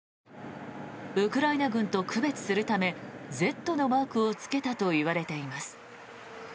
ウクライナ軍と区別するため「Ｚ」のマークをつけたといわれています。